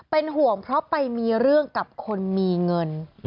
เป็นห่วงเพราะไปมีเรื่องกับคนมีเงิน